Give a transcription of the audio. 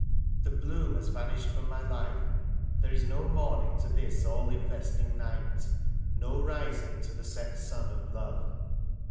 *'' The bloom has vanished from my life *— there is no morning to this all investing night ; no rising to the set sun of love.